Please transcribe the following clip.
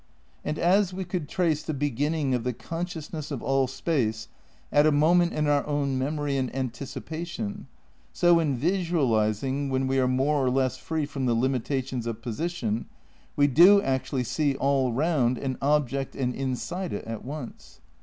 And as we could trace the beginning of the con sciousness of all space at a moment in our own memory and anticipation, so in "visualising," when we are more or less free from the limitations of position, we do actually see all round an object and inside it at once.